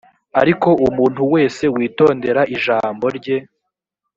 ariko umuntu wese witondera ijambo rye